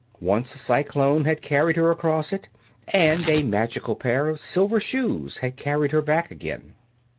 Once a cyclone had carried her across it, and a magical pair of silver shoes had carried her back again.